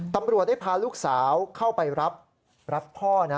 ตำรวจได้พาลูกสาวเข้าไปรับพ่อนะ